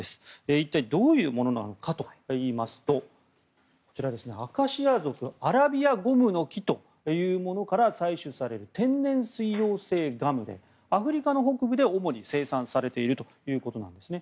一体、どういうものなのかといいますとアカシア属アラビアゴムノキというものから採取される天然水溶性ガムでアフリカの北部で主に生産されているということなんですね。